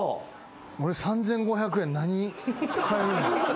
俺３，５００円何買える？